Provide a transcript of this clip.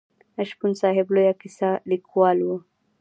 شپون صاحب لوی کیسه لیکوال و.